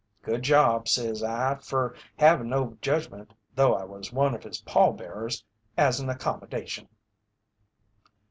Good job, says I, fer havin' no judgment though I was one of his pall bearers, as an accommodation."